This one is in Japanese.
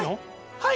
はい。